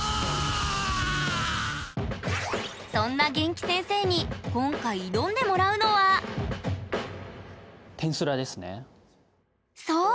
そんな元気先生に今回挑んでもらうのはそう！